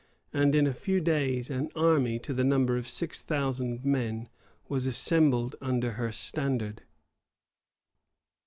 [*] And in a few days, an army, to the number of six thousand men, was assembled under her standard.